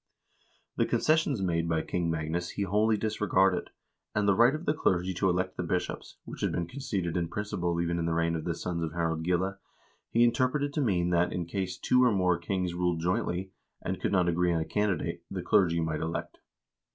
392 HISTORY OF THE NORWEGIAN PEOPLE concessions made by King Magnus he wholly disregarded, and the right of the clergy to elect the bishops, which had been conceded in principle even in the reign of the sons of Harald Gille, he interpreted to mean that in case two or more kings ruled jointly, and could not agree on a candidate, the clergy might elect.